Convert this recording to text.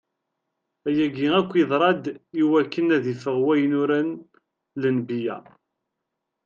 Ayagi akk iḍra-d iwakken ad iffeɣ wayen uran lenbiya.